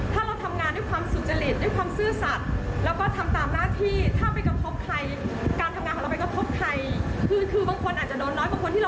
เขาต้องติดคุกครอบครัวเขาเสียอกเสียใจหรืออะไร